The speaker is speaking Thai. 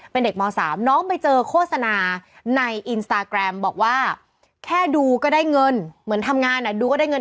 เป็นเด็กม๓น้องไปเจอโฆษณาในอินสตาแกรมบอกว่าแค่ดูก็ได้เงินเหมือนทำงานอ่ะดูก็ได้เงิน